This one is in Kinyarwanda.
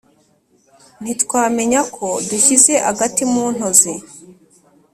ntitwamenya ko dushyize agati mu ntozi